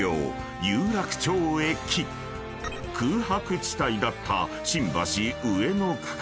［空白地帯だった新橋・上野区間］